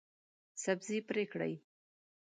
سبزي پرې کړئ